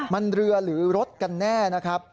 มันเรือหรือรถกันแน่นะครับ